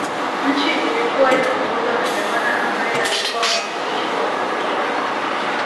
Nchi ilikuwa inaongozwa na Gavana ambaye alikuwa mwakilishi wa Malkia